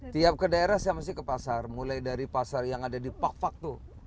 tiap ke daerah saya mesti ke pasar mulai dari pasar yang ada di pak faktu